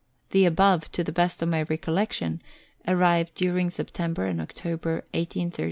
The above, to the best of my recollection, arrived during September and October of 1836.